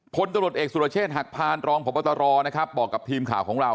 พลตำรวจเอกสุรเชษฐหักพานรองพบตรนะครับบอกกับทีมข่าวของเรา